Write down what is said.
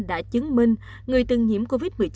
đã chứng minh người từng nhiễm covid một mươi chín